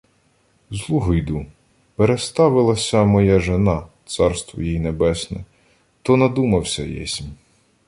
— З Лугу йду. Переставилася, моя жона, царство їй небесне, то надумався єсмь...